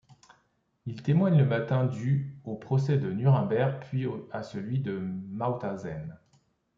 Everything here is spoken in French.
Il témoigne le matin du au procès de Nuremberg puis à celui de Mauthausen.